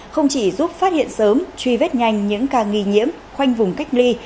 không chỉ giúp phát hiện sớm truy vết nhanh những ca nghi nhiễm khoanh vùng cách ly